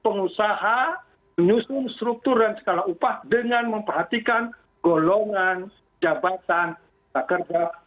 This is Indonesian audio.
pengusaha menyusun struktur dan skala upah dengan memperhatikan golongan jabatan pekerja